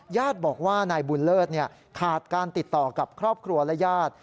ญาติบอกว่านายบุญเลิศขาดการติดต่อกับครอบครัวและญาติ